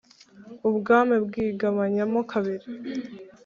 ubwami bwigabanya mo kabiri